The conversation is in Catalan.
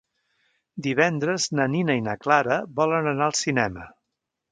Divendres na Nina i na Clara volen anar al cinema.